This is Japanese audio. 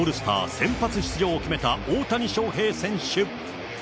先発出場を決めた大谷翔平選手。